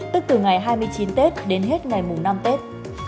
tức từ ngày hai mươi chín tết đến hết ngày mùng năm tết